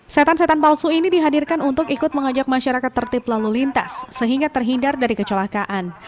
setan setan palsu ini dihadirkan untuk ikut mengajak masyarakat tertib lalu lintas sehingga terhindar dari kecelakaan